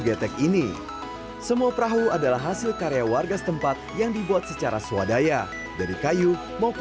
kita ini untuk mendestinasikan wisata untuk desa karangdoro mas